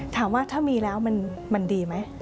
ถามว่าถ้ามีแล้วมันดีไหม